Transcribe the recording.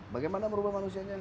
bagaimana merubah manusianya